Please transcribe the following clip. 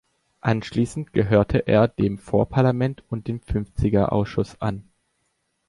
Anschließend gehörte er dem Vorparlament und dem Fünfzigerausschuss an.